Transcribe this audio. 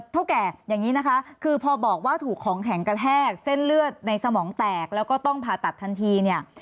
เท่าแก่อย่างนี้นะคะคือพอบอกว่าถูกของแข็งกระแทกเส้นเลือดในสมองแตกแล้วก็ต้องผ่าตัดทันทีเนี่ย